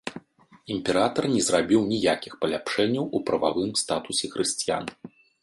Імператар не зрабіў ніякіх паляпшэнняў у прававым статусе хрысціян.